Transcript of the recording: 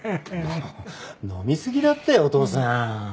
飲みすぎだってお父さん！